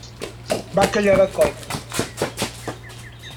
Va callar de colp.